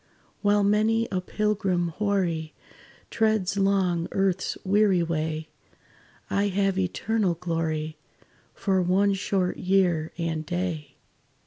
"While many a pilgrim hoary Treads long earth's weary way, I have eternal glory For one short year and day."